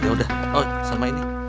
yaudah oh sama ini